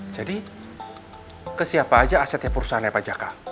jadi ke siapa aja asetnya perusahaan pajaka